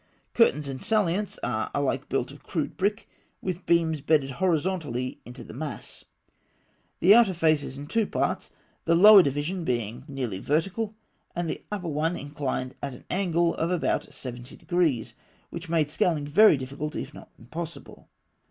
Curtains and salients are alike built of crude brick, with beams bedded horizontally in the mass. The outer face is in two parts, the lower division being nearly vertical, and the upper one inclined at an angle of about seventy degrees, which made scaling very difficult, if not impossible.